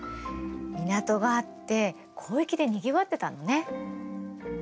港があって交易でにぎわってたのね。